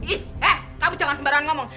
is eh kamu jangan sembarangan ngomong